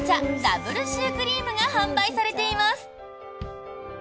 ダブルシュークリームが販売されています！